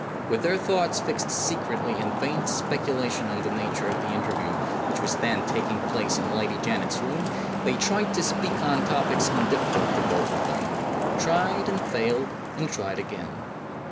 With their thoughts fixed secretly in vain speculation on the nature of the interview which was then taking place in Lady Janet's room, they tried to speak on topics indifferent to both of them tried, and failed, and tried again.